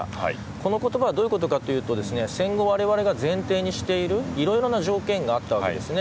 この言葉はどういうことかというと戦後、われわれが前提にしている色々な条件があったわけです。